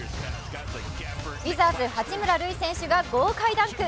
ウィザーズ・八村塁選手が豪快ダンク。